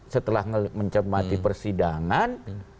setelah mencermati persidangan